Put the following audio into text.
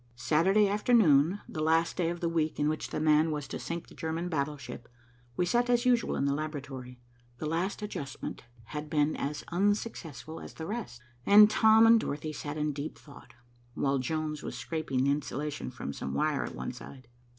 Saturday afternoon, the last day of the week in which the man was to sink the German battleship, we sat as usual in the laboratory. The last adjustment had been as unsuccessful as the rest, and Tom and Dorothy sat in deep thought, while Jones was scraping the insulation from some wire at one side.